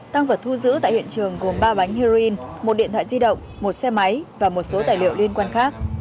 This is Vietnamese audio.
tăng vật thu giữ tại hiện trường gồm ba bánh heroin một điện thoại di động một xe máy và một số tài liệu liên quan khác